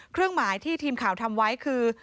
เครื่องหมายที่ทีมข่าวทำไว้คือ